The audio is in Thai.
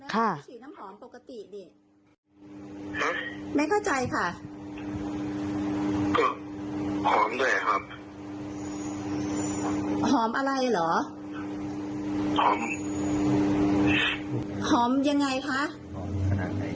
หอมมาก